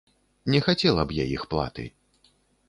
Не хацела б я іх платы.